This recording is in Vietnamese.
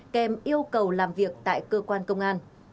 kèm yêu cầu làm việc tại cơ quan công an